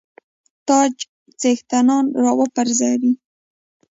تاج څښتنان را وپرزوي.